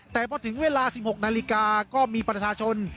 แต่พอถึงเวลา๑๖นาฬิกาก็มีประชาชน